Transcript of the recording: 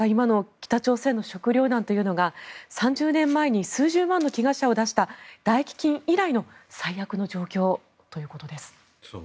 北朝鮮の今の食糧難というのが３０年前に数十万の飢餓者を出した大飢きん以来の最悪の状況ということです。